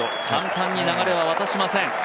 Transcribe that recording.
簡単に流れは渡しません。